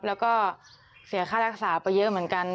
แล้วก็เสียค่ารักษาไปเยอะเหมือนกัน